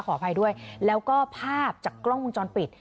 ขออภัยด้วยแล้วก็ภาพจากกล้องวงจรปิด